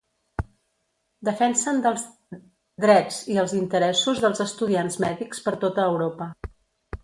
Defensen dels drets i els interessos del estudiants mèdics per tota Europa.